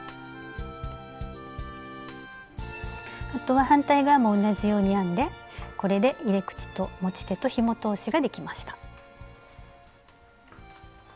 あとは反対側も同じように編んでこれで入れ口と持ち手とひも通しができました。